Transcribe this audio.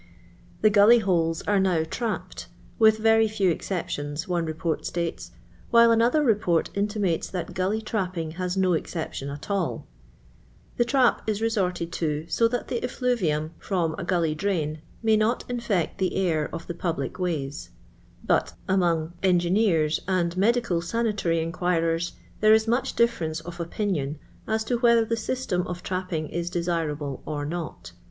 The OuUy holes are funeirapped—'whh very few exceptions, one report states, while another report intimates that gully trapping has no exception at all. The trap is resorted to so that the effluvium from 400 LOXDON LABOUR AXD TUE LONDON POOR. a guily dnin m.iy not infect the air of the public wayi; but nmoiii( engineen and medical sanitary inqiiircrii, tlii>re is much ditference of opinion as to whf ther thu system of trapping; is desirable or not.